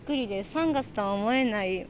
３月とは思えない。